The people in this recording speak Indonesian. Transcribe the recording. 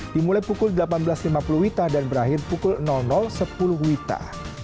dimulai pukul delapan belas lima puluh wita dan berakhir pukul sepuluh wita